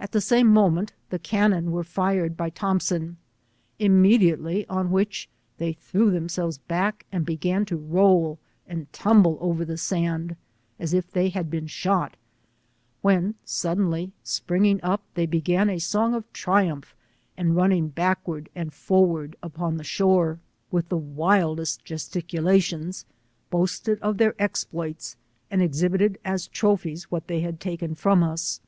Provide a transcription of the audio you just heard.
At the same moment the cannon was fired by Thompson, immediately on which ihey threw ihemselves back and began to roll and tumble over the sand as if they had been shot, when sud denly springing up, they began a song of triumph and running backward and for\vard upon the shore, with the wildest gesticulations, boasted of their exploit*, and exhibited as trophies, what they had taken from us.